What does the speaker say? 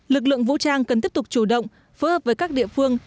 lực lượng vũ trang cần tiếp tục chủ động phối hợp với các địa phương